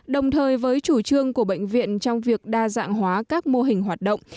đồng thời với chủ trương của bệnh viện trong việc đa dạng hóa các mô hình hoạt động